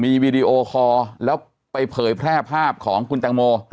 มีวีดีโอคอร์แล้วไปเผยแพร่ภาพของคุณแตงโม